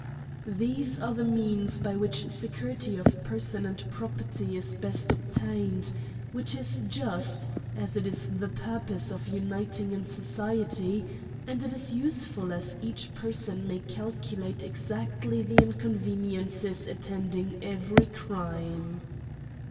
These are the means by which security of per son and property is best obtained, which is just, as it is the purpose of uniting in society; and it is useful as each person may calculate exactly the inconveniences attending every crime.